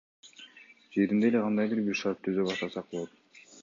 Жеринде эле кандайдыр бир шарт түзө баштасак болот.